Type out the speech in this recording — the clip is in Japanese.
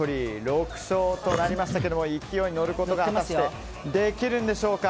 ６勝となりましたが勢いに乗ることが果たしてできるんでしょうか。